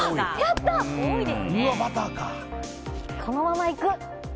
このままいく。